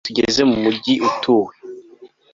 iyo tugeze mumujyi utuwe